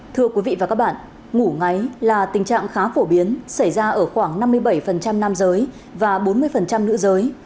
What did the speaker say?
thưa quý vị và các bạn ngủ ngáy là tình trạng khá phổ biến xảy ra ở khoảng năm mươi bảy nam giới và bốn mươi nữ giới